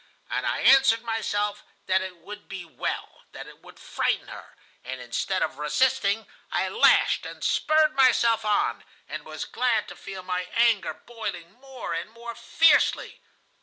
And I answered myself that it would be well, that it would frighten her, and, instead of resisting, I lashed and spurred myself on, and was glad to feel my anger boiling more and more fiercely.